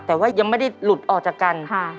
แต่ว่ายังไม่ได้หลุดออกจากกัน